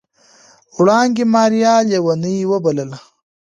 وړانګې ماريا ليونۍ وبلله.